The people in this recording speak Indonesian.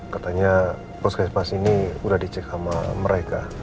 katanya puskesmas ini udah dicek sama mereka